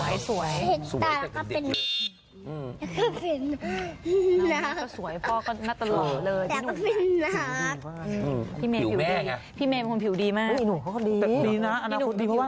ในใจเป็นนักเที่ยวสืบเราก็ไปนักพาร์ทรหัส